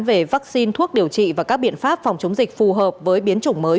về vaccine thuốc điều trị và các biện pháp phòng chống dịch phù hợp với biến chủng mới